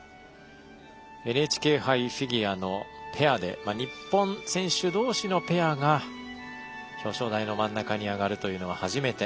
ＮＨＫ杯フィギュアのペアで日本選手同士のペアが表彰台の真ん中に上がるというのは初めて。